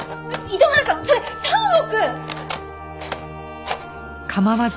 糸村さんそれ３億！